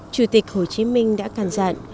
chủ tịch hồ chí minh đã càng dặn